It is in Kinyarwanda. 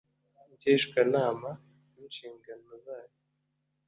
Ngishwanama n inshingano zayo